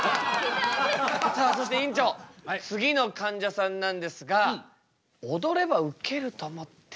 さあそして院長次のかんじゃさんなんですが踊ればウケると思っているというかんじゃさんなんですよ。